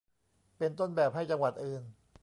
เป็นต้นแบบให้จังหวัดอื่น